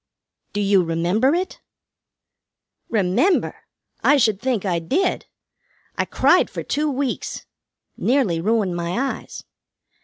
"Do you remember it?" "Remember! I should think I did. I cried for two weeks. Nearly ruined my eyes.